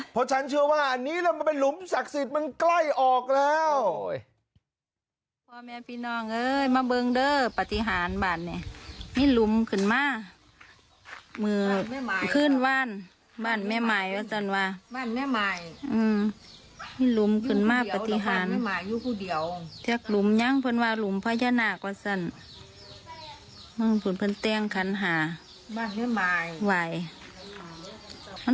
เพราะฉันเชื่อว่าอันนี้มันเป็นหลุมศักดิ์สิทธิ์มันใกล้ออกแล้ว